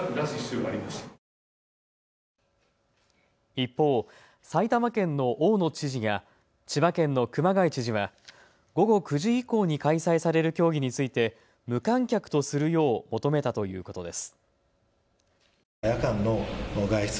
一方、埼玉県の大野知事や千葉県の熊谷知事は午後９時以降に開催される競技について無観客とするよう求めたということです。